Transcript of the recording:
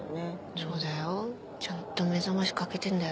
そうだよちゃんと目覚ましかけてんだよ。